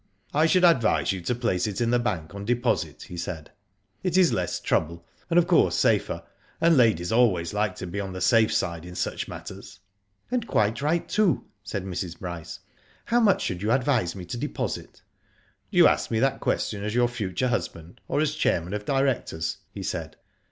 "I should advise you to place it in the bank on deposit," he said. ^'It is less trouble, and of course safer, and ladies always like to be on the safe side in such matters." •*And quite right, too," said Mrs. Bryce. How much should you advise me to deposit ?"" Do you ask me that question as your future husband, or as chairman of directors?" he said.